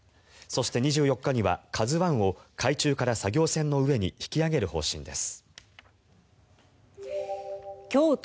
そして、２４日には「ＫＡＺＵ１」を海中から作業船の上に引き揚げる方針です。